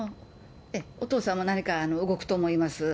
お父さんも何か動くと思います。